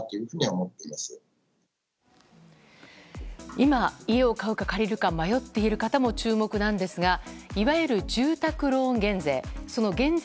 今、家を買うか借りるか迷っている方も注目なんですがいわゆる住宅ローン減税。